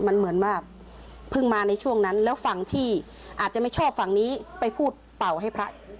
มันเหมือนว่าเพิ่งมาในช่วงนั้นแล้วฝั่งที่อาจจะไม่ชอบฝั่งนี้ไปพูดเป่าให้พระ